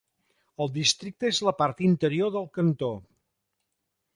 El districte és a la part interior del cantó.